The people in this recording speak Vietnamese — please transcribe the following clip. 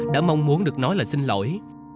đã mong muốn được nói lời xin lỗi